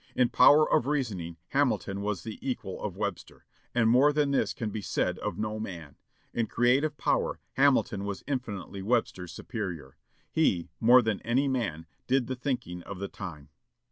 In power of reasoning Hamilton was the equal of Webster; and more than this can be said of no man. In creative power Hamilton was infinitely Webster's superior.... He, more than any man, did the thinking of the time."